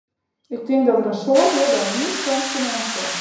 Ik tink dat in soad lju dêr heel frjemd tsjinoan sjen sille.